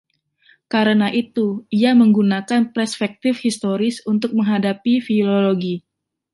Karena itu, ia menggunakan perspektif historis untuk menghadapi filologi.